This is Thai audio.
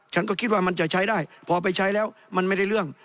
ฉันก็คิดว่ามันจะใช้ได้พอไปใช้แล้วมันไม่ได้เรื่อง